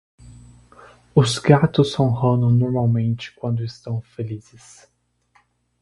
Os gatos ronronam normalmente quando estão felizes.